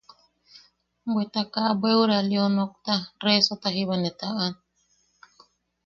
Bweta kaa bweʼura Lio nokta, resota jiba ne taʼan.